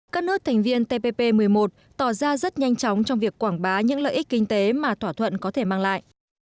các nước thành viên tpp một mươi một tỏ ra rất nhanh chóng trong việc quảng bá những lợi ích kinh tế mà thỏa thuận có thể mang lại